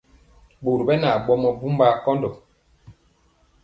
Ɓori ɓɛ na ɓomɔ mbumbaa kɔndɔ.